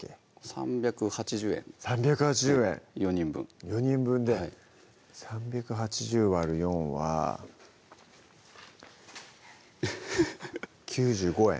３８０円３８０円４人分４人分で３８０割る４は９５円